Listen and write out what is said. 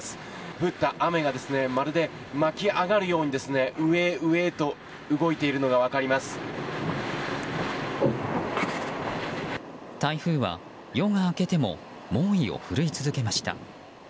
降った雨がまるで巻き上がるように、上へ上へと台風は夜が明けても猛威を振るい続けました。